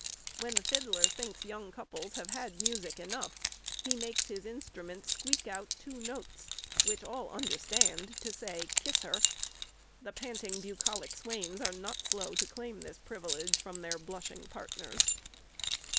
"When the fiddler thinks young couples have had music enough, he makes his instrument squeak out two notes, which all understand to say 'kiss her.'" The panting bucolic swains are not slow to claim this privilege from their blushing partners.